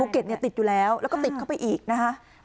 ติดอยู่แล้วแล้วก็ติดเข้าไปอีกนะคะ